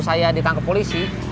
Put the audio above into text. jangan men treadmill